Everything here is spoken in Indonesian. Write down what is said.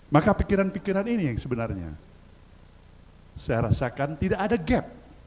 maka pikiran pikiran ini yang sebenarnya saya rasakan tidak ada gap